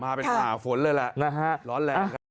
มาเป็นหาฝนเลยละร้อนแหละ